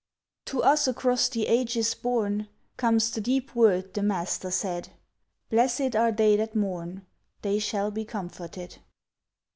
To us across the ages borne, Comes the deep word the Master said: "Blessèd are they that mourn; They shall be comforted!"